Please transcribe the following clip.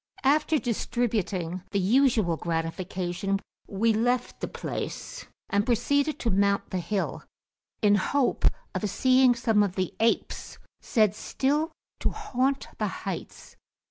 After distributing the usual gratification, we left the place, and proceeded to mount the hill, in hope of seeing some of the apes said still to haunt the heights.